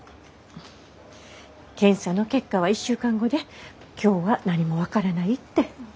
検査の結果は１週間後で今日は何も分からないって。